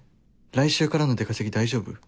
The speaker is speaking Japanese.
来週からの出稼ぎ大丈夫？」。